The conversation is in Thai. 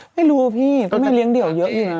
ไม่รู้พี่ก็ไม่เลี้ยงเดี่ยวเยอะอีกนะ